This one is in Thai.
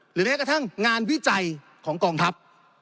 แม้กระทั่งงานวิจัยของกองทัพ